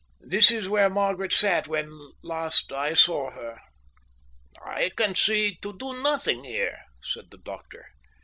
"This is where Margaret sat when last I saw her." "I can see to do nothing here," said the doctor.